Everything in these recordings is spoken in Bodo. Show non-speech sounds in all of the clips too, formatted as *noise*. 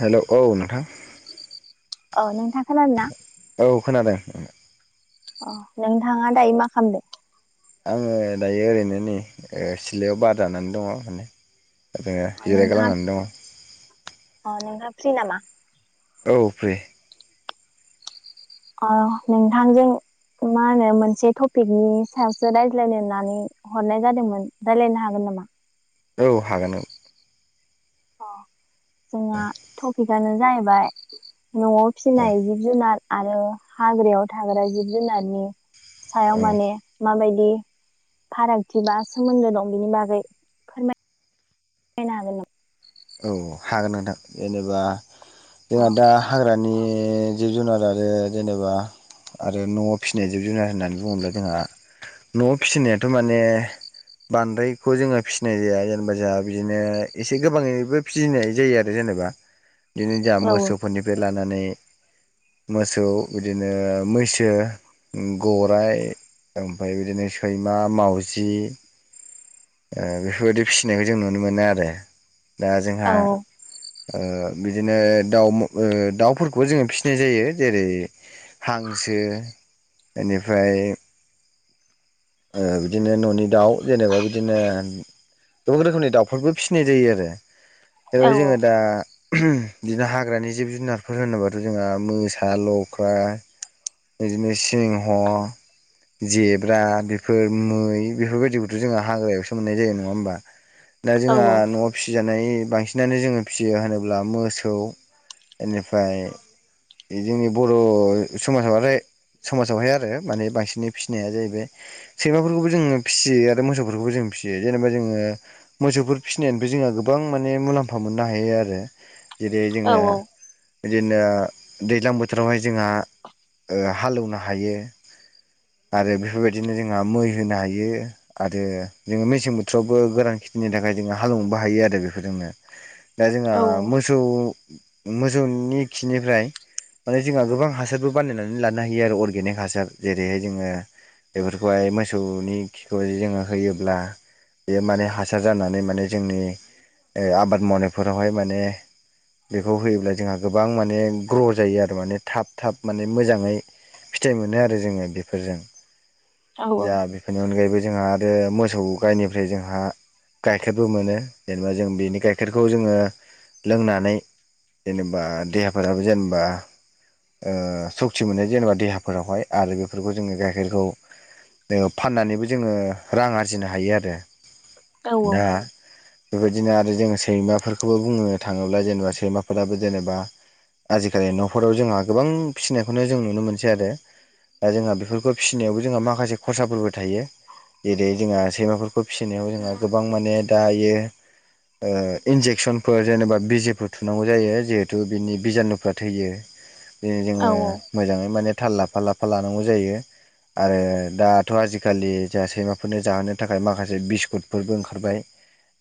हेल' औ नोंथां औ नोंथां खोनादोना औ खोनादों आ अ नोंथाङा दायो मा खालामदों आङो दायो ओरैनो नै सिलायाव बार जानानै दङ माने ओरो अ जिरायग नोंथाङा लायनानै दङ अ नोंहा फ्रि नामा औ फिरि अ नोंथांजों मा होनो मोनसे टपिकनि सायावसो रायज्लायायनानै हरनाय जादोंमोन रायज्लायनो हागोन नामा? औ हागोन औ अ जोंहा टपिकआनो जाहैबाय न'आव औ फिसिनाय जिब जुनार आरो हाग्रायाव थाग्रा जिब जुनारनि औ सायाव माने माबायदि फारागथि बा सोमोन्दो दं बेनि बागै फोरमाय औ हागोन नोंथां जेनेबा अ जोंहा दा हाग्रानि जिब जुनार आरो जेनेबा आरो न'आव फिसिनाय जिब जुनार होननानै बुङोब्ला जोंहा न'आव फिसिनायाथ' माने बांद्रायखौ जोङो फिसिनाय जाया जेनेबा जाहा बिदिनो एसे गोबाङै बो फिसिनाय जायो आरो जेनेबा बिदिनो जोंहा औ मोसौफोरनिफ्राय लानानै *inaudible* मोसौ बिदिनो मैसो उ गराइ ओमफाय बिदिनो सैमा मावजि ओ बेफोरबायदि फिसिनायखौ जों नुनो मोनो आरो दा जोंहा औ ओ बिदिनो दाउ ओ दाउफोरखौबो जोङो फिसिनाय जायो जेरै हांसो बेनिफ्राय ओ बिदिनो न'नि दाउ जेनेबा बिदिनो गोबां रोखोमनि दाउफोरबो फिसिनाय जायो आरो औ जेरैहाय जोङो दा बिदिनो हाग्रानि जिब जुनारफोर होनोबाथ' जोंहा मोसा लख्रा बिदिनो सिंह जेब्रा बेफोर मै बेफोरबायदिखौथ' जोङो हाग्रायावसो मोननाय जायो नङा होमबा दा औ जोंहा न'आव फिसि- फिसिजानाय बांसिनानो जोङो फिसियो होनोब्ला मोसौ बेनिफ्राय बे जोंनि बर' समाजावहाय समाजावहाय आरो माने बांसिनै फिसिनाया जाहैबाय सैमाफोरखौबो जोङो फिसियो आरो मोसौफोरखौबो जों फिसियो जेनेबा जोङो मोसौफोर फिसिनानैबो जोंहा गोबां माने मुलाम्फा मोननो हायो आरो जेरै जोङो औ बिदिनो दैज्लां बोथोरावहाय जोंहा ओ हालोवनो हायो आरो बेफोरबायदिनो जोंहा मै होनो हायो आरो जोङो मेसें बोथोरावबो गोरोन खिथिनि थाखाय जोङो हालोवनोबो हायो आरो बेफोरजोंनो दा जोंहा औ मोसौ मोसौ नि खिनिफ्राय माने जोंहा गोबां हासार- बो बानायनानै लानो हायो आरो अर्गेनिक हासार जेरैहाय जोङो बेफोरखौहाय मोसौनि खिखौ जोङो होयोब्ला बेयो माने हासार जानानै माने जोंनि ओ आबाद मावनायफोरावहाय माने बेखौ होयोब्ला जोंहा गोबां माने ग्र' जायो आरो माने थाब थाब माने मोजाङै फिथाइ मोनो आरो जोङो बेफोरजों औ औ दा बेफोरनि अनगायैबो जोंहा आरो मोसौ गायनिफ्राय जोंहा गाइखेरबो मोनो जेनेबा जों बेनि गाइखेरखौ जोङो लोंनानै जेनेबा देहाफोराबो जेनेबा ओ सक्ति मोनो जेनेबा देहाफोरावहाय आरो बेफोरखौ जोङो गाइखेरखौ फाननानैबो जोङो रां आरजिनो हायो आरो औ दा बेबायदिनो आरो जोङो सैमाफोरखौबो बुंनो थाङोब्ला जेनेबा सैमाफोराबो जेनेबा आजिखालि न'फोराव जोंहा गोबां फिसिनायखौनो जों नुनो मोनसै आरो दा जोंहा बेफोरखौ फिसिनायावबो जोंहा माखासे खरसाफोरबो थायो जेरै जोंहा सैमाफोरखौ फिसिनायाव जोंहा गोबां माने दायो ओ इन्जेकसनफोर जेनेबा बिजिफोर थुनांगौ जायो जिहेथु बिनि बिजानुफ्रा थैयो जोङो मोजाङै माने थाल लाफा लाफा लानांगौ जायो आरो दाथ' आजिखालि जोंहा सैमाफोरनो जाहोनो थाखाय माखासे बिस्कुटफोरबो ओंखारबाय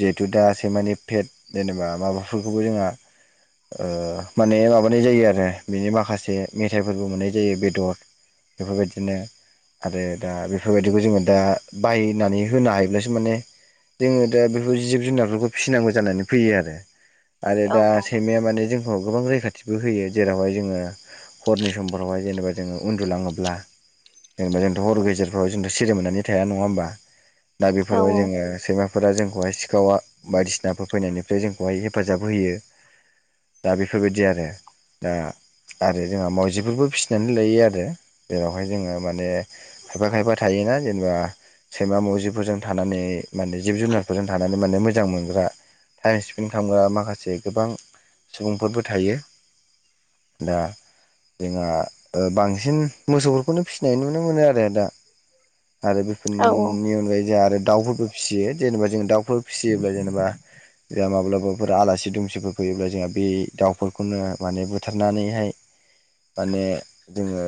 जिहेथु दा सैमानि पेट जेनेबा माबाफोरखौबो जोंहा ओ माने माबानाय जायो आरो बिनि माखासे मेथाइफोरबो मोननाय जायो बेदर बेफोरबायदिनो आरो दा बेफोरबायदिखौ जोङो दा बायनानै होनो हायोब्लासो माने जोङो दा बेफोर जिब जुनारफोरखौ फिसिनांगौ जानानै फैयो आरो आरो दा सैमाया माने जोंखौ गोबां रैखाथिबो होयो जेरावहाय जोङो हरनि समफोरावहाय जेनेबा जोङो उन्दुलाङोब्ला जेनेबा जोंथ' हर' गेजेरफ्राव जोंथ' सिरि मोननानै थाया नङा होमबा दा बेफोराव जोङो सैमा फोरा जोंखौहाय सिखावा बायदिसिनाफोर फैनायनिफ्राय जोंखौहाय हेफाजाब होयो दा बेफोरबायदि आरो दा आरो जोंहा मावजिफोरबो फिसिनानै लायो आरो जेरावहाय जोङो माने खायफा खायफा थायो। ना जेनेबा सैमा मुजिफोरजों थानानै माने जिब जुनारफोरजों थानानै माने मोजां मोनग्रा टाइम स्पेन्ड खालामग्रा माखासे गोबां सुबुंफोरबो थायो। *inaudible* दा जोंहा बांसिन मोसौफोरखौनो फिसिनाय नुनो मोनो आरो दा आरो बेफोरनि अनगायै जोंहा आरो दाउफोरबो फिसियो जेनेबा जों दाउ फोरफोर फिसियोब्ला जेनेबा जा माब्लाबाफोर आलासि दुमसिफोर फैयोब्ला जोंहा बे दाउफोरखौनो माने बुथार नानैहाय माने जोङो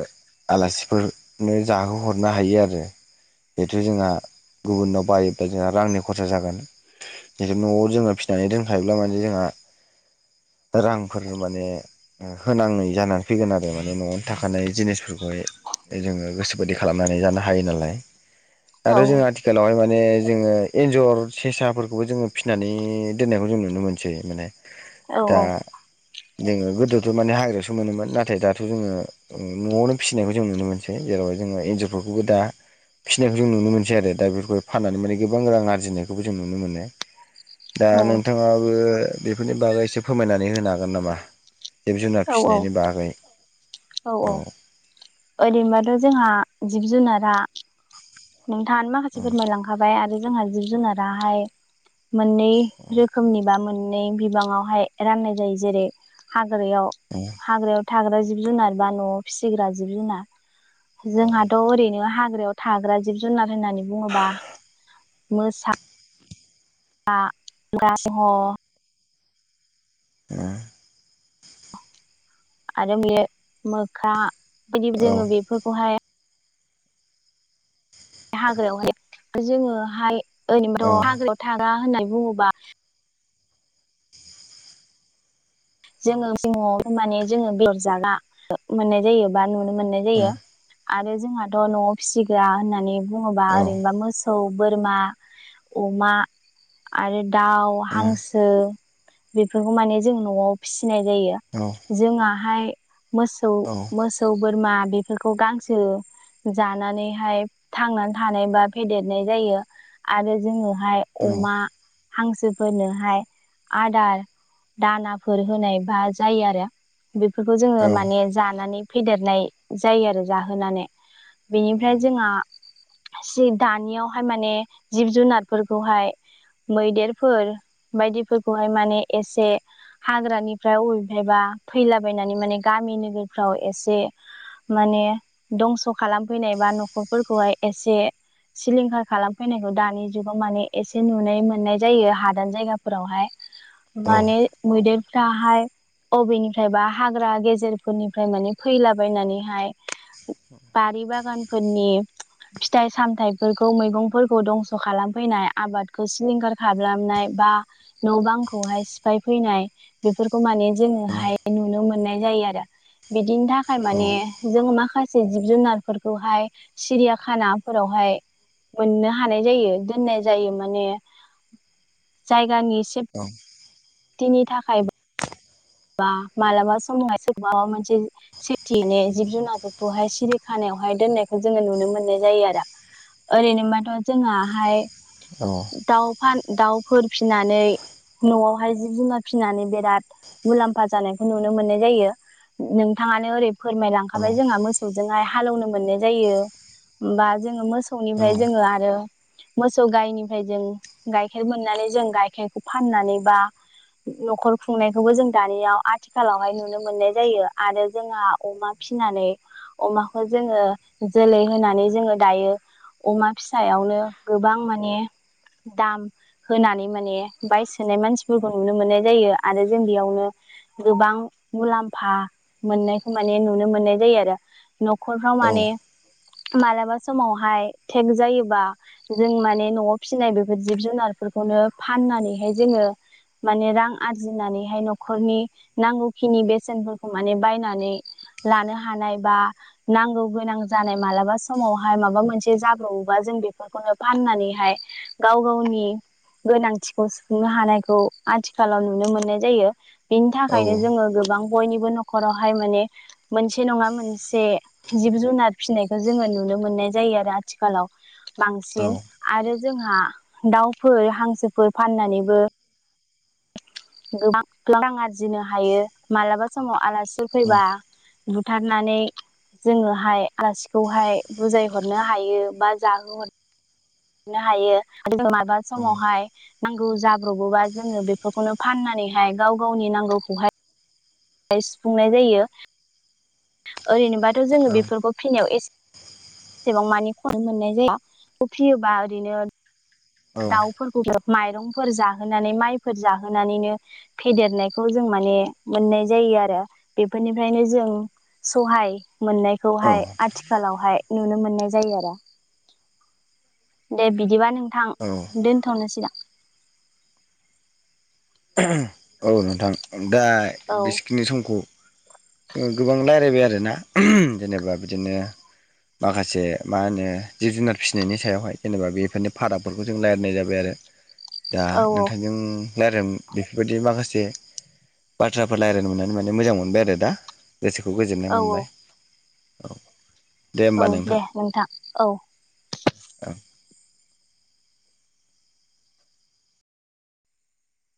आलासिफोरनो जाहोहरनो हायो आरो। बेथ' जोंहा गुबुननाव बायोब्ला जोंहा रांनि खरसा जागोन ज न'आव जोङो फिसिनानै दोनखायोब्ला माने जोंहा रांफोर माने होनाङै जानानै फैगोन आरो माने न'आवनो थाखानाय जिनिसफोरखौहाय जोङो गोसोोबायि खालामनानै जानो हायो नालाय आरो जोंङो आथिखालावहाय माने जोङो एन्जर सेसाफोरखौबो जोङो फिसिनानै दोननायखौ जों नुनो मोनसै माने। औ दा औ *inaudible* माने हाग्रायावसो मोनोमोन नाथाय दाथ' जोङो न'आवनो फिसिनायखौ जों नुनो मोनसै जेरावह जोङो एन्जरफोरखौ बेबो दा फिसिनायखौ जों नुनो मोनसै आरो दा बेफोरखौ फाननानै माने गोबां रां आरजिनायखौबो जों नुनो मोनो। दा औ नोंथाङाबो बेफोरनि बागै एसे फोरमायनानै होनो हागोन नामा? जिब जुनार फिसिनायनि बागै औ औ ओरैनोबाथ' जोंहा जिब जुनारा नोंथाङ माखासे औ फोरमायलांखाबाय आरो जोंहा जिब जुनाराहाय मोननै रोखोमनि बा मोननै बिबाङावहाय राननाय जायो जेरै हा ग्रायाव औ हाग्रायाव थाग्रा जिब जुनार बा न'आव फिसिग्रा जिब जुनार जोंहाथ' ओरैनो हाग्रायाव थाग्रा जिब जुनार होननानै बुङोबा मोसा *unintelligible* ए आरो बे मोख्रा बिदि औ जोङो बेफोरखौहाय हाग्रायावहाय जोङोहाय औ ओरैबथ' हाग्रायाव थागा होननानै बुङोबा जोङो ज माने जोङो बेदर जागा मोननाय जायोबा नुनो मोननाय औ जायो आरो जोंहाथ' न'आव फिसिग्रा होननानै बुङोबा औ ओरैनोबा मो थौ बोरमा अमा आरो दाउ हांसो बेफोरखौ माने जों न'आव फिसिनाय जायो जोंनाहाय मोसौ औ मोसौ बोरमा बेफोरखौ गांसो जानानैहाय थांनानै थानाय बा फेदेरनाय जायो आरो जोङो औ अमा हांसोफोरनोहाय दाना फोर होनाय बा जायो आरो बेफोरखौ औ जोङो माने जानानै फेदेरनाय जायो आरो जाहोनानै। बेनिफ्राय जोंहा जि दानियावहाय माने जिब जुनारफोरखौहाय मैदेरफोर बायदिफोरखौहाय माने एसे हाग्रानिफ्राय अबेहबा फैलाबायनानै माने गामि नोगोरफ्राव एसे माने दंस' खालामफैनाय बा न'खरफोरखौहाय एसे सिलिंखार खालामफैनायखौ दानि जुगाव माने एसे नुनाय मोननाय जायो हादान जायगाफोरावहाय। माने मैदेरफ्राहाय बबेनिफ्राय बा हाग्रा गेजेरफोरनिफ्राय माने फैलाबायनानैहाय बारि बागानफोरनि फिथाइ सामथायाइफोरखौ मैगंफोरखौ दंस' खालामफैनाय आबादखौ सिलिंखार खालामनाय बा न' बांखौहाय सिफाय फैनाय बेफोरखौ माने जोङोहाय नुनो मोननाय जायो आरो बि दिनि थाखाय औ माने जों माखासे से जिब जुनारफोरखौहाय सिरियाखानाफोरावहाय मोननो हानाय जायो दोननाय जायो माने जायगानि औ दिनि थाखायबो बा मालाबा समावहाय सोरखौबा मोनसे सेेपथिनि जिब जुनारफोरखौहाय सिरि खाना यावहाय दोननायखौ जोङो नुनो मोननाय जायो आरो ओरैनोबाथ' जोंहाहाय दाउफान दाउफोर फिनानै न'आवहाय जिब जुनार फिनानै बेराद मुलाम्फा जानायखौ नुनो मोननाय जायो नोंथाङानो ओरै फोरमायलांखाबाय जोंहा मोसौ जोंहाय हालौनो मोननाय जायो होमबा जोङो मोसौनिफ्राय जोङो आरो मोसौ गाइनिफ्राय जों गाइखेर मोननानै जों गाइखेरखौ फाननानै बा न'खर खुंनायखौबो जों दानियाव आथिखालावहाय नुनो मोननाय जायो आरो जोंहा अमा फिनानै अमाखौ जोङो जोलै होनानै जोङो दायो अमा फिसायावनो गोबां माने दाम होनानै माने बायसोनाय मानसिफोरखौ नुनो मोननाय जायो आरो जों बेयावनो गोबां मुलाम्फा मोननायखौ माने नुनो मोननाय जायो आरो। न'खरफ्राव माने मालाबा समावहाय थेक जायोबा जों माने न'आव फिसिनाय बेफोर जिब जुनारफोर रखौनो फाननानैहाय जोङो माने रां आरजिनानैहाय न'खरनि नांगौखिनि बेसेनफोरखौ माने बायनानै लानो हानाय बा नांगौ गोनां जानाय मालाबा समावहाय माबा मोनसे जाब्रबोबा जों बेफोरखौनो फाननानैहाय गाव गावनि गोनांथिखौ सुफुंनो हानायखौ आथिखालाव नुनो मोननाय जायो। बिनि थाखायनो जोङो गोबां बयनिबो न'खरावहाय माने मोनसे नङा मोनसे जिब जुनार फिसिनायखौ जोङो नुनो मोननाय जायो आरो आथिखालाव बांसिन आरो जोंहा दाउफोर हांसोफोर फाननानैबो गोबां गोबां रां आरजिनो हायो मालाबा समाव आलासिफोर औ फैबा बुथारनानै जोङोहाय आलासिखौहाय बुजायहरनो हायो बा जाहोहर नो हायो माबा औ समावहाय नांगौ जाब्रबोबा जोङो बेफोरखौनो फाननानैहाय गाव गावनि नांगौखौहाय सुफुंनाय जायो ओरैनोबाथ' औ जोङो बेफोरखौ फिनायाव एसे एसेबां मानि खस्थ मोननाय जाया बेखौ फियोबा ओरैनो औ दाउफोरखौ माइरंफोर जाहोनानै माइफोर जाहोनानैनो फेदेरनायखौ जों माने मोननाय जा- यो आरो बेफोरनिफ्रायनो जों सहाय औ मोननायखौहाय आथिखालावहाय नुनो मोननाय जायो आरो दे बिदिबा नोंथां औ दोनथ'नोसै ना औ नोंथां दा औ बिसेखिनि समखौ ओ गोबां रायलायबाय आरोना जेनेबा बिदिनो माखासे मा होनो जिब जुनार फिसिनायनि सायावहाय जेनेबा बेफोरनि फारागफोरखौ जों रायलायनाय जाबाय आरो दा औ नोंथांजों रायलाय बेफोरबायदि माखासे बाथ्राफोर रायलायनो मोननानै माने मोजां मोनबाय आरो दा गोसोखौ गोजोननाय औ मोनबाय औ दे होमबा औ नोंथां दे औ औ